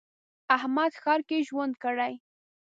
احمد ښار کې ژوند کړی.